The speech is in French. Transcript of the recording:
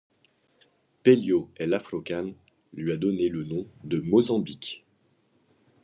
Pello el Afrokan lui a donné le nom de Mozambique.